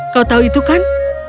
kau tahu itu kan